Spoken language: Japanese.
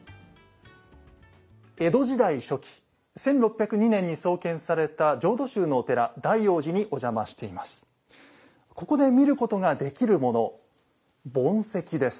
江戸時代初期１６０２年に創建された浄土宗のお寺大雄寺にお邪魔しています。